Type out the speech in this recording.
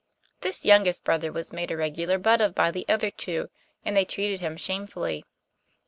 This youngest brother was made a regular butt of by the other two, and they treated him shamefully.